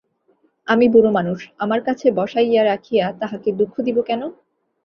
আমি বুড়োমানুষ, আমার কাছে বসাইয়া রাখিয়া তাহাকে দুঃখ দিব কেন?